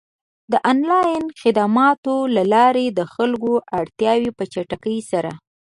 د آنلاین خدماتو له لارې د خلکو اړتیاوې په چټکۍ سره پ